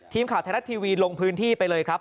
ทีมข่าวไทยรัฐทีวีลงพื้นที่ไปเลยครับ